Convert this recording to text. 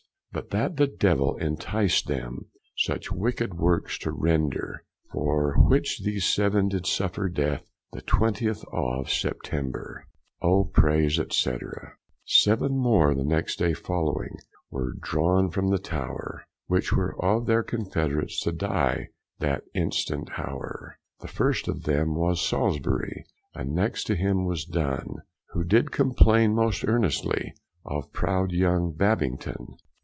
But that the Devill inticed them Such wicked woorks to render; For which these seven did suffer death, The twentith of September. O praise, &c. Seven more the next day following Were drawen from the Tower, Which were of their confederates To dye that instant hower: The first of them was Salsburie, And next to him was Dun, Who did complaine most earnestly Of proud young Babington.